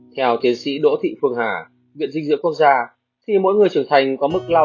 theo tiến sĩ đỗ thị phương hà viện dinh dưỡng quốc gia thì mỗi người trưởng thành có mức lao